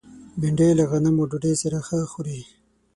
بېنډۍ له غنمو ډوډۍ سره ښه خوري